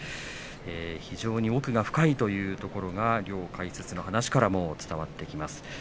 非常に奥が深いというところが両解説の話からも伝わってきます。